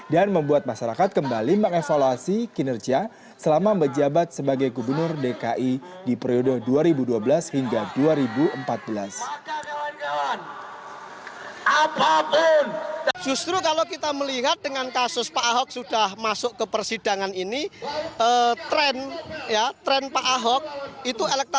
dan membuat masyarakat kembali mengevaluasi kinerja selama menjabat sebagai gubernur dki di periode dua ribu dua belas hingga dua ribu empat belas